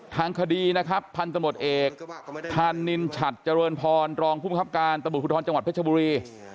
ทางคดีพันธมุตเอกธานินชัตเจริญพรรองคุ้มคับการตระบุทธรรมจังหวัดเพชรบุรี